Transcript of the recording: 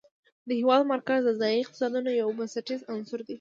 د هېواد مرکز د ځایي اقتصادونو یو بنسټیز عنصر دی.